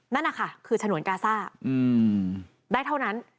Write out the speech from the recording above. นั่นนะคะคือฉนวนกาซ่าได้เท่านั้น